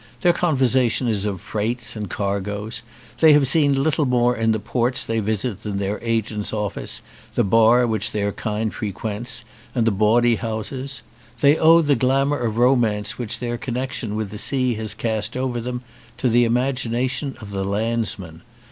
Their conversation is of freights and cargoes. They have seen little more in the ports they visit than their agent's office, the bar which their kind frequents, and the bawdy houses. They owe the glamour of romance which their connection with the sea has cast over them to the imagination of the landsman.